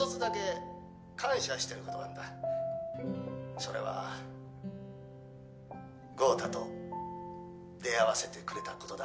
「それは豪太と出会わせてくれた事だ」